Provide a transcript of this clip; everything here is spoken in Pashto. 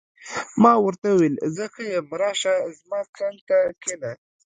ما ورته وویل: زه ښه یم، راشه، زما څنګ ته کښېنه.